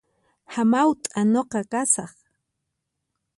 Hamawt'a nuqa kasaq